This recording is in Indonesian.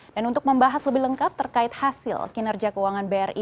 dan untuk membahas lebih lengkap terkait hasil kinerja keuangan bri